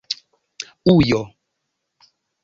ujo